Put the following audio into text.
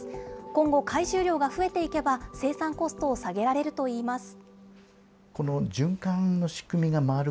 今後、回収量が増えていけば、生産コストを下げられるといいます。